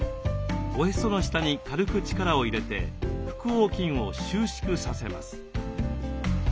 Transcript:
おへその下に軽く力を入れて腹横筋を収縮させます。